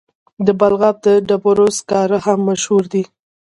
د بلخاب د ډبرو سکاره هم مشهور دي.